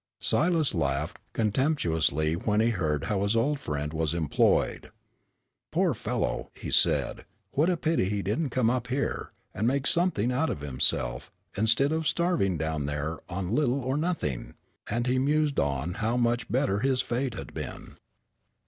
Silas laughed contemptuously when he heard how his old friend was employed. "Poor fellow," he said, "what a pity he didn't come up here, and make something out of himself, instead of starving down there on little or nothing," and he mused on how much better his fate had been.